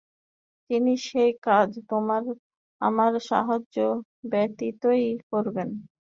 তিনি সেই কাজ তোমার আমার সাহায্য ব্যতিতই করবেন।